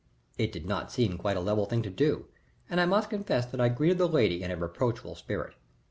It did not seem quite a level thing to do, and I must confess that I greeted the lady in a reproachful spirit.